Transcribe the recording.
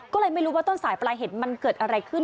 ก็เลยไม่รู้ว่าต้นสายปลายเหตุมันเกิดอะไรขึ้น